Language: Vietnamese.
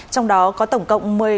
trong đó có tổng cộng